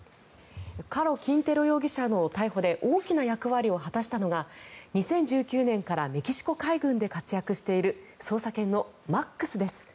カロ・キンテロ容疑者の逮捕で大きな役割を果たしたのが２０１９年からメキシコ海軍で活躍している捜査犬のマックスです。